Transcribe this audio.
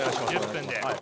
１０分で。